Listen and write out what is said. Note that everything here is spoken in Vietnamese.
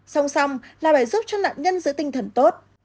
xong xong là phải giúp cho nặn nhân giữ tinh thần tốt